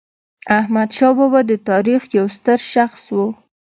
احمدشاه بابا د تاریخ یو ستر شخص و.